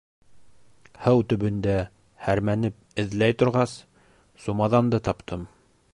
— Һыу төбөндә һәрмәнеп эҙләй торғас, сумаҙанды таптым.